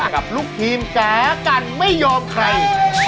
กับลูกทีมแสกันไม่ยอมใคร